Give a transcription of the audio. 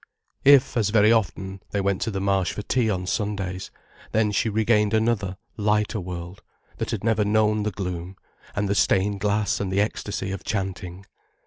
If, as very often, they went to the Marsh for tea on Sundays, then she regained another, lighter world, that had never known the gloom and the stained glass and the ecstasy of chanting.